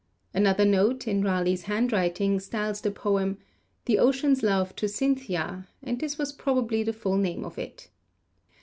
Another note, in Raleigh's handwriting, styles the poem The Ocean's Love to Cynthia, and this was probably the full name of it.